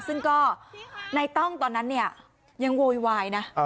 ซึ่งก็ในต้องตอนนั้นเนี่ยยังโวยวายนะ